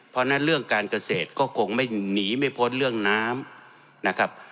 เพราะฉะนั้นเรื่องการเกษตรก็คงไม่หนีไม่พ้นเรื่องน้ำนะครับ